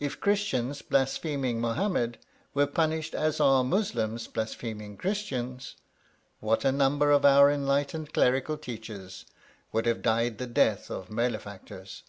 If Christians blaspheming Mohammed were punished as are Muslims blaspheming Christians, what a number of our enlightened clerical teachers would have died the death of malefactors!